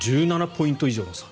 １７ポイント以上の差。